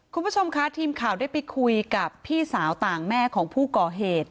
คุณผู้ชมค่ะทีมข่าวได้ไปคุยกับพี่สาวต่างแม่ของผู้ก่อเหตุ